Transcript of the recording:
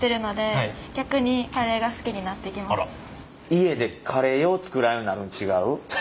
家でカレーよう作らんようになるん違う？